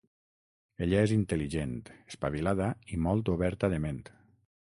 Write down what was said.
Ella és intel·ligent, espavilada i molt oberta de ment.